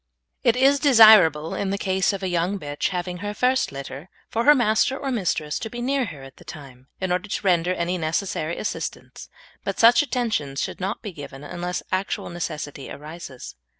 It is desirable, in the case of a young bitch having her first litter, for her master or mistress to be near her at the time, in order to render any necessary assistance; but such attentions should not be given unless actual necessity arises.